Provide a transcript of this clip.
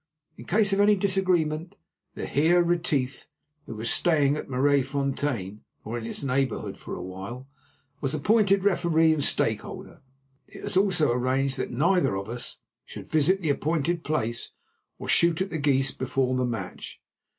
In case of any disagreement, the Heer Retief, who was staying at Maraisfontein, or in its neighbourhood, for a while, was appointed referee and stakeholder. It was also arranged that neither of us should visit the appointed place, or shoot at the geese before the match.